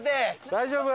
大丈夫？